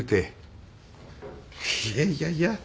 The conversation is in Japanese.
いやいやいや。